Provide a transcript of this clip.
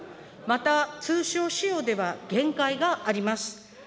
また、通称使用では限界があります。